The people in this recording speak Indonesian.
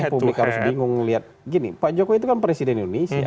publik harus bingung lihat gini pak jokowi itu kan presiden indonesia